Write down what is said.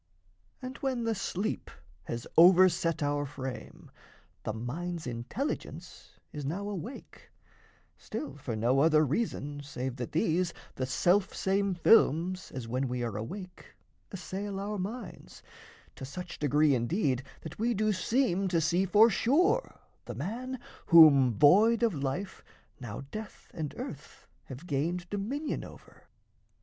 And when the sleep has overset our frame, The mind's intelligence is now awake, Still for no other reason, save that these The self same films as when we are awake Assail our minds, to such degree indeed That we do seem to see for sure the man Whom, void of life, now death and earth have gained Dominion over.